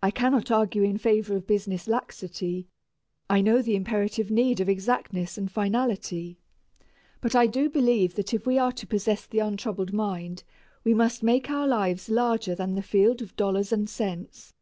I cannot argue in favor of business laxity, I know the imperative need of exactness and finality, but I do believe that if we are to possess the untroubled mind we must make our lives larger than the field of dollars and cents.